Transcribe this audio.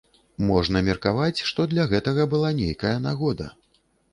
Можна меркаваць, што для гэтага была нейкая нагода.